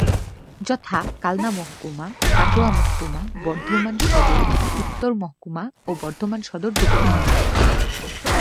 যথা:- কালনা মহকুমা, কাটোয়া মহকুমা, বর্ধমান সদর উত্তর মহকুমা ও বর্ধমান সদর দক্ষিণ মহকুমা।